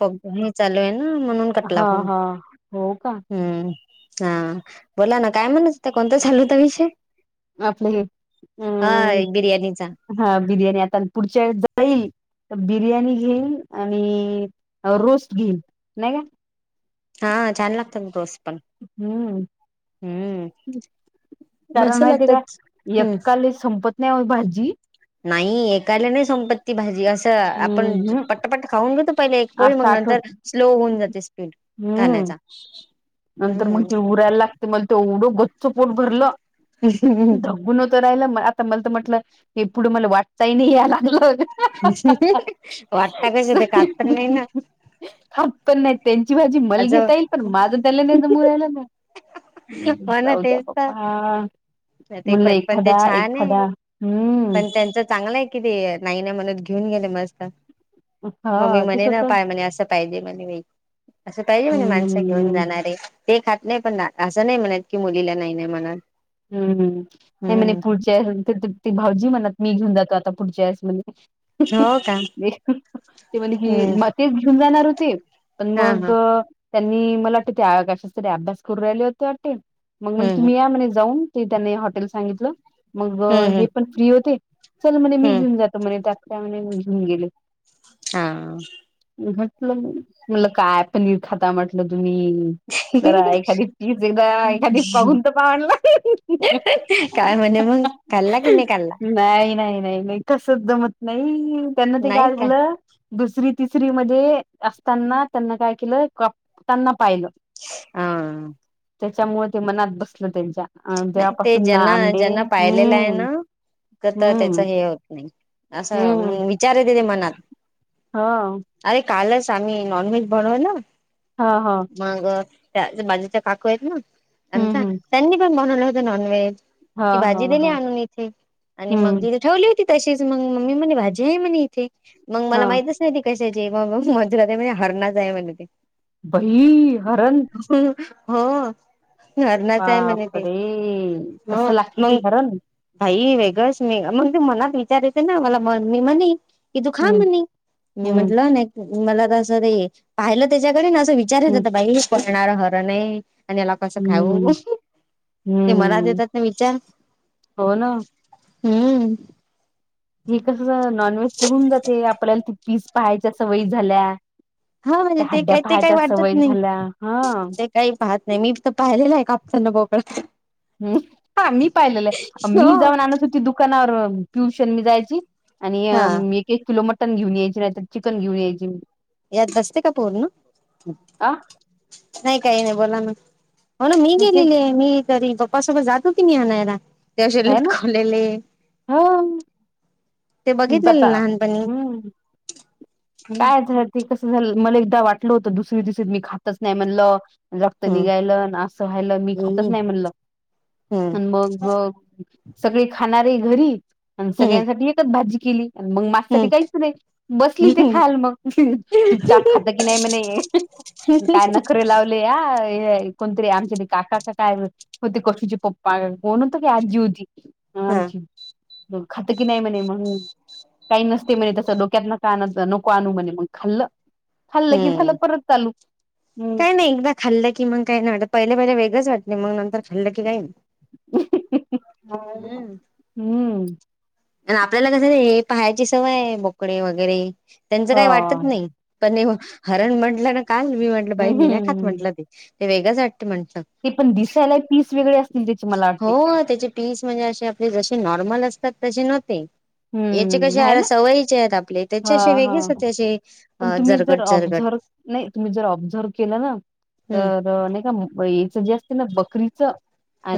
पग हे चालू आहे ना म्हणून कटला हा फून हा हो का हूं! हा बोला ना काय म्हणत होता, कोणता चालू होता विषय. आपलं हे हा बिर्याणीचा. अम हा बिर्याणी आता पुढच्या वेळे जाईल. त बिर्याणी घेईन, आणि रोस्ट घेईन नाही का. हा छान लागतात रोस्ट पण. हूं! हम्म कारण मस्त माहीती का लागतात. हम्म एकाले संपत नाही ओ भाजी. नाही एकाले नाही संपत ती भाजी असं आपण हम्म हम्म पट्टपट्ट खाऊन घेतो पहिले एक. होय मग असं आठवत नंतर स्लो होऊन जाते स्पीड हम्म खाण्याचा. नंतर मग हम्म. ते उरायला लागत मग ते एवढं गच्च पोट भरलं धबून. त राहिलं म आता मल तर म्हटलं की पुढं मला वाकताही नही यालागल होत. वाट्टा कस ते कातर नही ना. हाफ पण नाही त्यांची भाजी मल असं घेता येईल पण माझं लेंद्या च मुळ आलं का, हो ना जाऊ दया तेच तर बप्पा. ते पत पण ते छान आहे हम्म पण त्यांच चांगलं हे. किती नाही नाही म्हणत घेऊन गेले मस्त. मम्मी हा ते म्हणे ना स्वतः पाय म्हणे असं पाहिजे म्हणे बई. असं पाहिजे म्हणे माणस घेऊन हम्म जाणारे. ते खात नाही पना, असं नाही म्हणत की मुलीला नाही नाही म्हनात. हूं हूं नाही म्हणे पुढच्या ते दीप्ती भाऊजी म्हणत मी घेऊन जातो आता पुढच्या वेळेस म्हने. हो का. ते म्हने की हम्म म तेच घेऊन जाणार होते पण हा हा मग. त्यांनी मला वाटते ते कशाचतरी अभ्यास करू राहिले होते वाटते, मग मण हम्म तुम्ही या म्हणे. जाऊन ते त्यांनी हॉटेल सांगितलं मग हम्म हे हम्म पण फ्री होते चल म्हने मी हम्म घेऊन जात त म्हणे त्यात काय म्हने लगेच घेऊन गेले. हा! म्हटलं मग म्हनंलं काय पनीर खाता म्हटलं तुम्ही. जरा हा एखादी पीस एकदा एखादी पाहूंन त पाहनं लं. काय म्हणे मग खांल्ला कि नही खाल्ला. नाही नाही, नाही नाही, कस दमत नाही त्यांना ते नाही काय का झालं. दुसरी तिसरी मध्ये असताना त्यांना काय केलं कापताना पाहिलं. अ! त्याच्यामुळे ते मनात बसलं त्यांच्या अं नाही ते तेवापासून ना ज्यांना अंडे हूं! क त त्याच हे होत नाही असं मंग विचार येते ते मनात. हा! अरे कालच आम्ही नॉनव्हेज बनवल. हा हा! मग त्या अजून बाजूच्या काकू आहेत ना, हम्म आमच्या हम्म त्यांनी पण बनवलं होत नॉनव्हेज. ह ती भाजी ह दिली ह आणून इथे आणि मग हम्म तिथे ठेवली होती तशीच मग मम्मी म्हणे भाजी नहीं म्हणे. ठी मग मला ह माहितच नाही ती कशाची हे मग मंजुळा ताई म्हने हरणाच आहे म्हणे ते. बई हरण हो हंरनाच आहे म्हणे ते. बापरे हो कसं लागत ते मंग. हरण बाई वेगळंच स्मे मग ते मनात विचार येत ना मला ममी म्हनी. की तू खा हम्म म्हणे मी हम्म म्हटलं नाही मला तं ते पाहिलं त्याच्याकडे अस विच विचारच हम्म त बाई पडणार हर नाही आणि याला कसं खाऊ हम्म [inaudible] ते मला हम्म देतात ना विचार..... हो ना हम्म हि कसस नॉनव्हेज च हून जाते आपल्याला ती पीस पहायच्या सवयी झाल्या. हा म्हणजे त्या ते हड्ड्या का ते काही पाहायच्या वाटतात सवय नाही झाल्या हा [inaudible] ते काही पाहत नाही मी तर पाहिलेलं आहे कापताना बोकळा [inaudible] हं हा मी पाहिलेलं हो मी जाऊन आणत होती दुकानावर पियुष‌ आणि मी जायची. आणि हा अ म एक- एक किलो मटण घेऊन यायची नाहीतर चिकन घेऊन यायची. यात बसते का पूर्ण आ नाही, काही नाही बोला ना. हो ना मी नाही ते गेलेले आहे, मी तरी पप्पासोबत जात होती, मी आणायला तेशी लटकवलेले. [inaudible] हा. ते बघितलेलं लहानपणी. हम्म हम्म काय झालं ते कसं झालं, मला एकदा वाटलं होतं, दुसरी -तुसरी मी खातच नाही म्हणलं. रक्त निघायलं अन् असं हायलं मी खातच हम्म नाही म्हणलं. हम्म आणि मग सगळे खाणारे, घरी आणि सगळ्यांसाठी एकच भाजी केली. मग माससाठी हम्म काहीच नाही, बसली ते हम्म खाल मग [inaudible] चुपचाप खातं की नाही म्हणे [inaudible] काय नखरे लाव ले या कोणतरी आमच्या ते काका काय हो ते कसूचे पप्पा कोण होत की आजी होती हा आमची खातं की नाही म्हणे म्हणून काही नसते म्हणे तसं डोक्यात ना का न को म्हणे मग खाल्लं, खाल्लं की हम्म झालं परत चालू काही हम्म. नाही एकदा खाल्लं की मग काही नाही वाटत, पहिले- पहिले वेगळंच वाटलं मग नंतर खाल्लं की काय नाही. हा. [unintelligible] हम्म आन् आपल्याला कस हे पाहायची सवय आहे, बोकडे वगैरे त्यांचं हा काही वाटत नाही. पण [unintelligible] हरण म्हंटलं ना का मी म्हटलं, बाई मी नाही खात हम्म म्हंटलं ते- ते वेगंच वाटत म्हणलं. ते पण दिसायला पीस वेगळे असतील त्याची मला वाटतय. हो त्याचे पीस म्हणजे अशे आपले जशे नॉर्मल असतात तशे नव्हते. याचे हम्म कशे आहे आळा ना सवयीचे आहेत, आपले हा त्याचे अशे हा वेगळेच होते अशे पण तुम्ही जर ऑब्झर्व नाही, तुम्ही जर ऑब्झर्व केलं ना हम्म तर. द नाही का याच जे असते ना बकरीचं?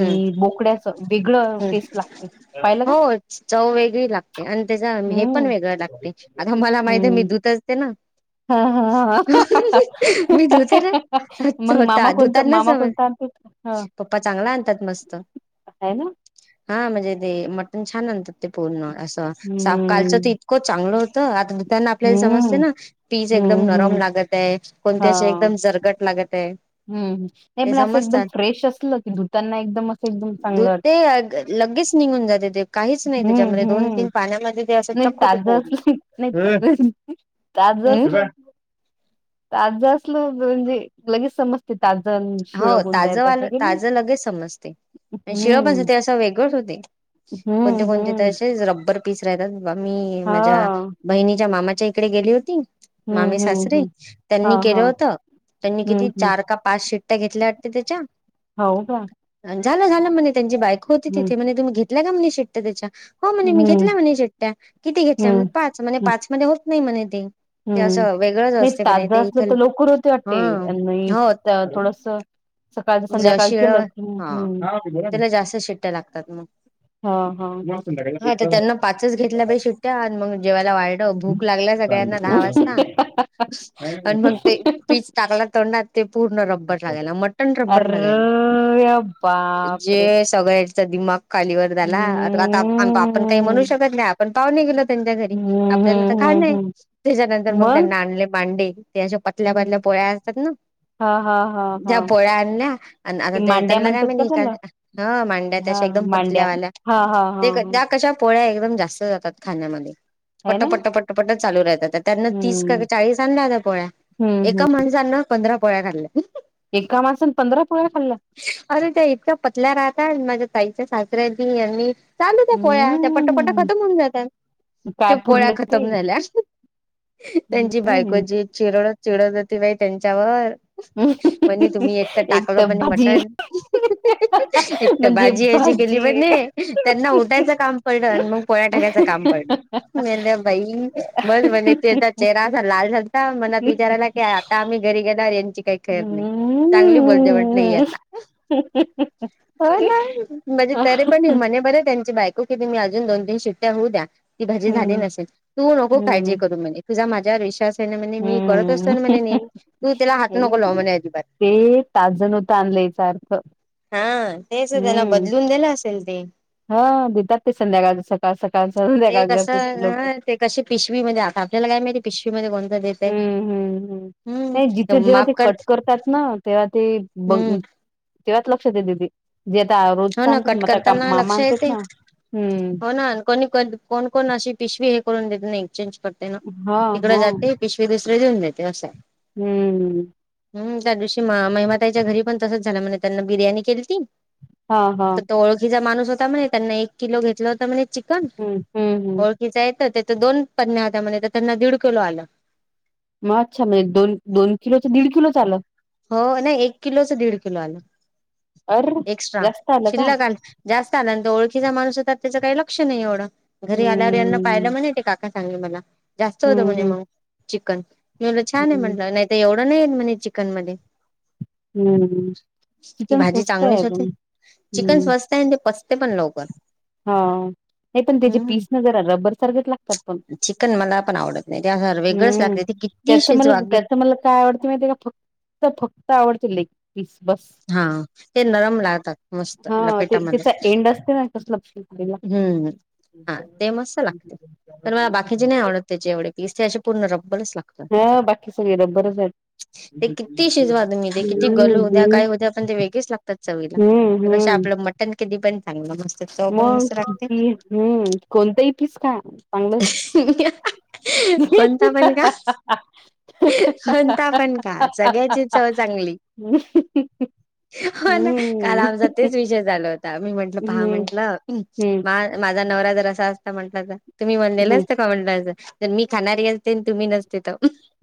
हम्म बोकडाच वेगळं हम्म टेस्ट लागते पाहिलं का? हो चव वेगळी लागते आणि त्याच्या हे पण हम्म वेगळं लागते, आता मला माहिती मी हम्म धूत असते ना. हा हा हा हो [inaudible] मी धुते ना मग [unintelligible] मामा ता धुत कोणता ना मामा समज कोणता आणते ह पप्पा चांगला आणता तात मस्त आहे ना हा म्हणजे ते मटण छान आणतात ते पूर्ण असं. साफ कालचं तर हम्म इतकं चांगलं हो त आता धूतांना आपल्याला समजते, हम्म ना पीज हम्म एकदम नरम हम्म लागताय पण हा एकदम जरगट लागतय. हम्म नाही पण असं एकदम फ्रेश असलं की धुतांना एकदम असं एकदम चांगलं धुते वाटतं लगेच निघून जाते ते. काहीच नाही हम्म- त्याच्यामध्ये दोन हम्म तीन पाण्यामध्ये ते असं नाही चक्क होते ताजंच पूर्ण [inaudible] नाही- नाही. ताज अस हम्म [inaudible] ताज असल म्हणजे लगेच समज हो ताजं वालं, नाही ताज लगेच समजतय. आणि शिळ पण हम्म ते असं वेगळंच होते. कोणटे- हम्म कोणते तर हम्म अशे रब्बर पीस राहतात मी माझ्या हा बहिणीच्या मामाच्या इकडे गेली होती. मामे हम्म हम्म सासरे हम्म हा त्यांनी केल हा होत, त्यांनी हम्म किती हम्म चार का पाच शिट. शिट्ट्या घेतल्या वाटत त्याच्या. हो का आणि झाल झाल म्हणे त्यांची बायक होती हम्म तिथे. म्हणे तुम्ही घेत घेतल्या का म्हणे शेट्ट्या त्याच्या. हो म्हणे मी हम्म घेतल्या. म्हणे शेट्ट्या. किती घेतल्या हम्म म्हणे. पाच हम्म पाच मध्ये होत नाही म्हणे ते. ते अस हम्म. वेगळच नाही असते पण ताजं ते इथ. असलं तर लवकर होते हा वाटते आणि हो थोडस सकाळचं ज संध्याकाळ शिळ, केलं की हा हम्म बोला ना. त्याला जास्त शिट्ट्या लागतात मग. हा हा. हा तर आहे. त्यांना पाचच घेतल्या बयी सीट्ट्या. आणि मग जेवायला वाढ भूक लागल्या सगळ्यांना दहा वाजता. आणि मग ते पिस टाकला तोंडात ते पूर्ण रब्बर लागायला. मट अरे बापरे जे सगळ्याचा दिमाग खालीवर झाला. आता आपण काही म्हणू हम्म. शकत नाही. आपण पावने गेलोत. त्याच्या घरी हम्म आपल्याला हम्म तर खान हम्म आहे. हम्म त्याच्यानंतर मग त्यांनी आणले मांडे. ते अशा पतल्या हम्म. पतल्या पोळ्या असतात ना हा हा हा हा. ज्या पोळ्या आणल्या. आणि आता ते मांड्या त्यांना काय म्हणतात मी का त्याला म्हणल ह मांड्या त्या अशा हा एकदम पतल्या मांड्या वाल्या. हा हा हा हा पोळ्या एकदम जास्त जातात खाण्यामध्ये. आहे पट ना पट पट चालू राहतात. त्यांन तीस का हम्म. चाळीस आणल्या होत्या पोळ्या. हम्म हम्म एका माणसान पंधरा पोळ्या खाल्ल्या. एका माणसान पंधरा पोळ्या खाल्ल्या. अरे त्या इतक्या पतल्या राहता. माझ्या ताईच्या सासऱ्यानी, यांनी चालू त्या पोळ्या त्या पट पट हम्म खतम होऊन जातात. काय त्या पोळ्या पुरलं ते खतम झाल्या. त्यांची बायको हम्म. जी चिरडत चिडत होती बाई त्यांच्यावर. म्हणे [unintelligible] तुम्ही एक तर टाकल म्हणे मटण. एकत म्हणजे भाजी अशी केली भाजी म्हणे. त्यांना उठायच काम पडल. आणि मग पोळ्या टाकायच काम पडल. मी म्हटल बाई बस म्हणे तेचा चेहरा असा लाल झालता. मनात विचार आला कि आता आम्ही घरी गेल्यावर यांची काही खैर नाही. चांगली बोलते म्हटल ही हम्म. आता. हो ना म्हणजे तरी पण ही म्हणे बर त्यांची बायको की तुम्ही अजून दोन तीन सिट्ट्या होऊ द्या. ती भाजी झाली हम्म, नसेल. तू नको काळजी हम्म, करू म्हणे. तुझा माझ्यावर विश्वास म्हणे मी करत असतो हम्म. ना म्हणे नेहमी. तू त्याला हात नको लाऊ म्हणे अजिबात. पाच जण होत याचा अर्थ. हा तेच त्यांन हम्म. बदलून दिल असेल ते. हा देतात ते संध्याकाळ सकाळ. सकाळच ते संध्याकाळ करतात ते कसं लोक. अ ते कसे पिशवी मध्ये आता आपल्याला काय माहिती. पिशवी मध्ये कोणत देतय. हम्म, हम्म, हम्म ते माप करत तात ना तेव्हा ती बघ तेव्हाच लक्ष देते ती. जे आता हो रोज ना आणते कट म का करताना मामा लक्ष आणतात ना. हम्म को कोण कोण अशी पिशवी हे करून देत नाही ए चेंज करते ना. हा, तिकडे हा. जाते पिशवी दुसरीे देऊन देते अस. हम्म हम्म त्या दिवशी म महिमाताईच्या घरी पण तसच झाल. म्हणे त्यांना बिर्याणी केलती. हा हा ओळखीचा माणूस होता म्हणे, त्यांना एक किलो घेतल होत म्हणे चिक तन हम्म, हम्म, हम्म. ओळखीचा येत त्याच दोन पनण्या्या होत्या म्हण तर त्यांना दीड किलो आलं. मागच्या महिन्यात दोन दोन किलोच दीड किलोच आलं. हो नाही एक किलोच दीड किलो आलं अर एक्स्ट्रा जास्त आलं का शिल्लक आ जास्त आला आणि तो ओळखीचा माणूस होता त्याचं काही लक्ष नाही एवढं घरी आल्यावर यांना पाहिलं हम्म म्हणे ते काका सांगे मला जास्त होत हम्म म्हणे हम्म मंग चिकन मी बोलले छान आहे हम्म म्हटलं नाही ते एवढं नाही म्हणे चिकन मध्ये हम्म, ती चिकन सोस्त आहे अगं म. ते आणि पचते पण लवकर हाव! नाही पण त्याचे पीस न जरा रब्बर सारखेच लागतात पण चिकन मला पण आवडत नाही त्या वेगळंच हम्म! लागते ते किती त्याच मला शिजवा त्याच मला काय आवडत माहित हाय का फक्त फक्त आवडते ले ग पीस बस हा ते नरम लागतात मस्त हा ते लपेटामध्ये त्याचा एंड असते ना तसलं खेकडीला. हम्म हा ते मस्त लागत. तर मला बाकीचे नाही आवडत त्याचे एवढे पीस ते असे पूर्ण रबरच लागत. हा बाकी सगळे रबरच आहेत. ते किती शिजवा तुम्ही ते किती हम्म गलू हो द्या हम्म काय होत्या पण ते वेगळेच लागतात चवीला हम्म त्यापेक्षा आपलं म टण कधी पण चांगलं मस्त. म पण मस्त लागते. ती हम्म कोणतही पीस खा चांगलं [unintelligible] कोणता पण क कोणता पण खा सगळ्याची हम्म. चव चांगली. हम्म! हो ना काल आमचा तेच विषय चालू होता मी म्हंटल पहा म्हंटलं. हम्म! मा माझा नवरा जर असा असता म्हटलां तर तुम्ही हं. म्हंणटल्यासा हो म्हंटलं असं तर मी खाणारी असते तुम्ही नसते तर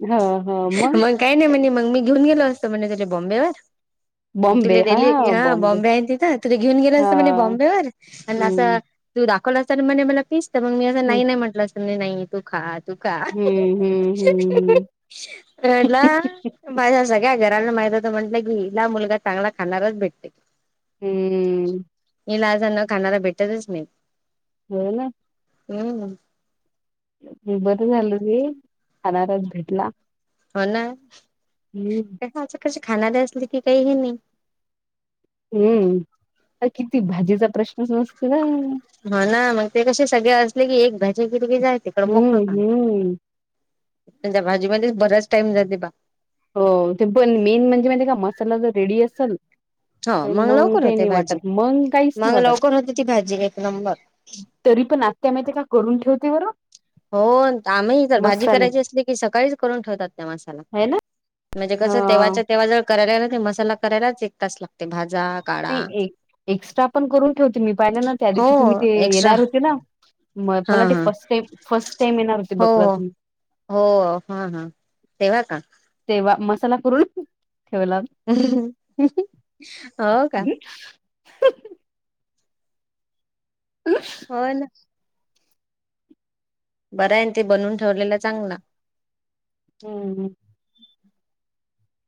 हं हं म? काय नाही म्हणे मग मी घेऊन गेलो असतं म्हणे त्याच्या बॉम्बेवर. तुले बॉम्बे. दिल्ली हां, फिरा बॉम्बे आहे तिथं तुला घेऊन गेलं असतं म्हणे हां. बॉम्बे वर आण असं हं, तु दाखवला अस म्हणे मला पिस तर मग मी असं हं. नाही नाही म्हटलं असं मी नाही. तु खा तु खा हं, हं, हं, हं. रडला. माझ्या सगळ्या घराला माहित होतं म्हटलं की हिला मुलगा चांगला खाणारच भेटते. हम्म! इलाज ना खाणारा भेटतच नाही. हो ना! हम्म! हम्म बरं झालं मी खणारा भेटला. हो ना हं, त्याच असं कसं खाणार असली की काहीही नाही. हम्म, आ किती भाजीचा प्रश्नच नसतो ना. हो ना मग ते कसे सगळे असले की एक भाजी केली की जाते प्रमुख हं, पक्वान. हं. पण त्या भाजीमध्येच बराच टाइम जाते बा. हो ते पण मेन म्हणजे माहिती हाय का मसाला जर रेडी असलं हो तर मग मंग लवकर काही होते नाही भाजी वाटत मंग काहीच नाही मग वाटत. लवकर होते ती भाजी एक नंबर तरी पण आत्त्या माहिती हाय का करून ठेवते बर. हो आम्ही तर भाजी करायची असली की सकाळीच करून ठेवतात त्या मसाला. आहे ना म्हणजे अ कसं तेव्हाच्या तेव्हा जर करायला ना तर मसाला करायलाच एक तास लागते भाजा काळा नाही एक्स्ट्रा आपण करून ठेवते मी पाहिलं ना त्या हो दिवशी तुम्ही ते एक्स्ट्रा येणार होते ना मग हा मला ते हा फर्स्ट टाईम फर्स्ट टाईम येणार होते हो बघा तुम्ही हो हा हा तेव्हा का? तेव्हा मसाला करून ठेवला हो का [unintelligible] होय ना बरं आहे ना ते बनवून ठेवलेला चांगला हम्म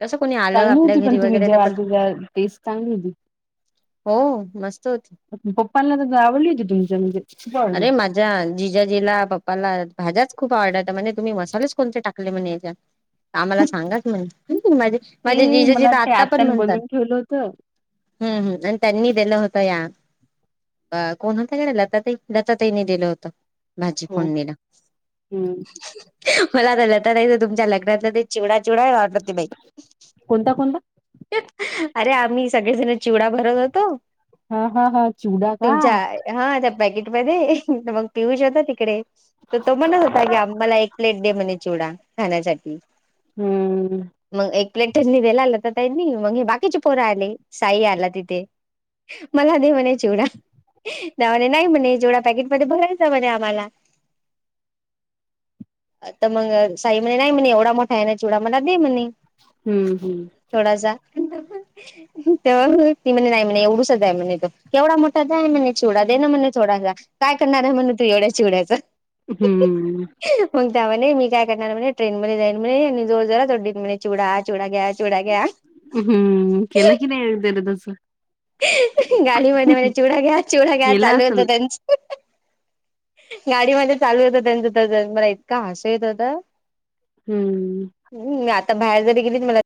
कसं कोणी आ चांगली होती पण तुम्ही जे वाढली टेस्ट चांगली होती हो मस्त होती पप्पांना तर आवडली होती तुमच्या म्हणजे खूप आवडली अरे होती माझ्या जिजाजीला पप्पाला भाज्याच खूप आवडत म्हणे तुम्ही मसालेच कोणते टाकले म्हणे हेच्यात आम्हाला सांगा की म्हण ते माझे जिजाजी मला तर वाटते आता पण आत्याने म्हणतात बनवून ठेवलं होतं हम्म हम् आणि त्यांनी दिलं होतं या कोण होत कडे लता ताई लता ताईंनी दिलं होतं भाजी हो फोडणीला हम्म मला तर लता ताईच तुमच्या लग्नातलं चिवडा चिवडा आठवते बाई कोणता कोणता अरे आम्ही सगळेजण चिवडा भरत होतो हा हा हा चिवडा का? तुमच्या हा त्या पॅकेटमध्ये मग पियुष होता तिकडे तर तो म्हणत होता की मला एक प्लेट दे म्हणे चिवडा खाण्यासाठी हम्म मग एक प्लेटं दिल्या लता ताईंनी मग हे बाकीचे पोरा आले साई ही आला तिथे मला दे म्हणे चिवडा त्या म्हणे नाही म्हणे चिवडा पॅकेट मध्ये भरायचां म्हणे आम्हाला आता मग साई म्हणे नाही म्हणे एवढा मोठा आहे ना चिवडा मला दे म्हणे हम्म हम्म थोडासा तर ती म्हणे नाही म्हणे एवढूसा आहे म्हणे तो केवढा मोठा आहे म्हणे चिवडा दे ना मला थोडासा काय करणार आहे म्हणे तू एवढ्या चिवड्याचं हम्म मग त्या म्हणे मी काय करणार म्हणे ट्रेन मध्ये जाईन म्हणे आणि जोर जोरात ओरडीन म्हणे चिवडा चिवडा घ्या चिवडा घ्या हम्म केलं की नाही तर तसं गाडीमध्ये म्हण चिवडा घ्या चिवडा घ्या केलं चालू होत असेल. त्यांचं गाडीमध्ये चालू होत त्यांच तस मला इतक हसू येत होतं हम्म हम् आता बाहेर जरी गेलीच मला